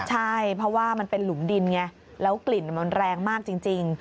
ใช่เพราะว่ามันเป็นหลุมดินไงแล้วกลิ่นมันแรงมากจริง